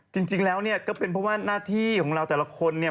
จริงแล้วเนี่ยก็เป็นเพราะว่าหน้าที่ของเราแต่ละคนเนี่ย